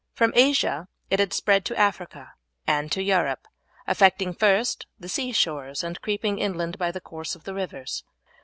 From Asia it had spread to Africa and to Europe, affecting first the sea shores and creeping inland by the course of the rivers.